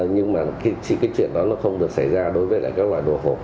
nhưng mà cái chuyện đó không được xảy ra đối với các loại đồ hộp